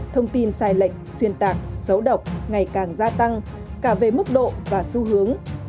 thông tin sai lệch xuyên tạc xấu độc ngày càng gia tăng cả về mức độ và xu hướng